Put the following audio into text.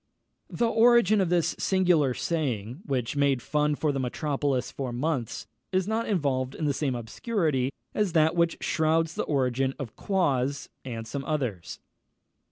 The origin of this singular saying, which made fun for the metropolis for months, is not involved in the same obscurity as that which shrouds the origin of Quoz and some others.